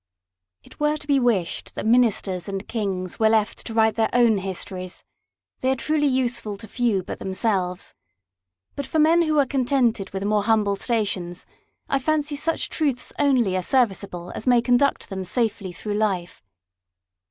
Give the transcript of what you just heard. It were to be wished that ministers and kings were left to write their own histories : they are truly useful to few but themselves ; but for men who 44 LIFE OF RICHARD NASH. are contented with more humble stations, I fancy such truths only are serviceable as may conduct them safely through life.